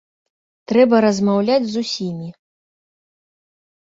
Трэба размаўляць з усімі.